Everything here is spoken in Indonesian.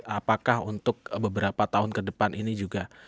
apakah untuk beberapa tahun ke depan ini juga